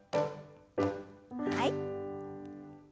はい。